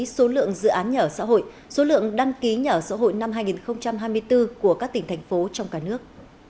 số lượng dự án nhà ở xã hội số lượng đăng ký nhà ở xã hội năm hai nghìn hai mươi bốn của các tỉnh thành phố trong cả nước